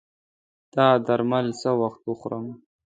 دا درمل څه وخت وخورم؟